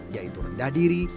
yaitu rendah diri